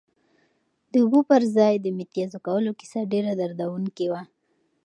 د اوبو پر ځای د متیازو کولو کیسه ډېره دردونکې وه.